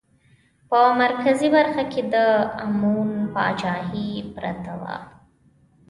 په مرکزي برخه کې د امبون پاچاهي پرته وه.